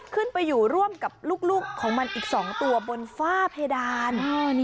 ขึ้นไปอยู่ร่วมกับลูกของมันอีก๒ตัวบนฝ้าเพดาน